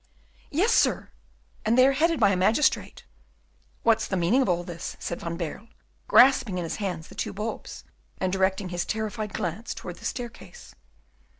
"Yes, sir, and they are headed by a magistrate." "What's the meaning of all this?" said Van Baerle, grasping in his hands the two bulbs, and directing his terrified glance towards the staircase.